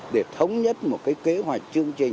để thống nhất một kế hoạch chương trình